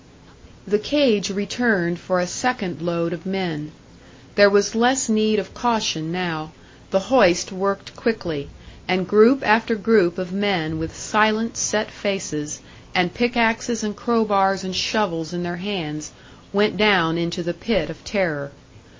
The cage returned for a second load of men. There was less need of caution now; the hoist worked quickly, and group after group of men with silent, set faces, and pickaxes and crow bars and shovels in their hands, went down into the pit of terror.